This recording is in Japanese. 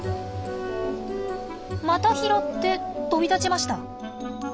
また拾って飛び立ちました。